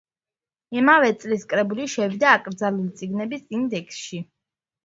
იმავე წელს კრებული შევიდა აკრძალული წიგნების ინდექსში.